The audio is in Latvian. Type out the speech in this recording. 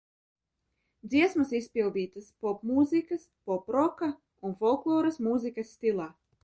Dziesmas izpildītas popmūzikas, poproka un folkloras mūzikas stilā.